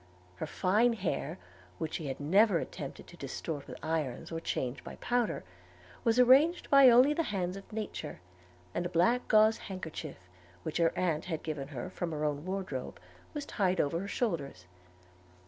Her fine hair, which she had never attempted to distort with irons, or change by powder, was arranged only by the hands of nature; and a black gauze handkerchief, which her aunt had given her from her own wardrobe, was tied over her shoulders.